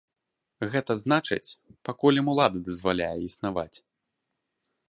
Гэта значыць, пакуль ім улада дазваляе існаваць.